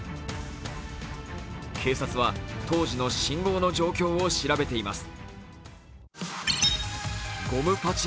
警察は当時の信号の状況を調べています。